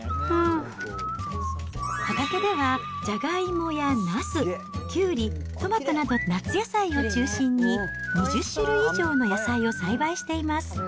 畑では、ジャガイモやナス、キュウリ、トマトなど夏野菜を中心に、２０種類以上の野菜を栽培しています。